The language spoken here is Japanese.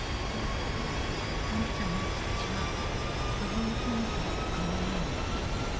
あんちゃんの口はカワウソみたいでかわいいね。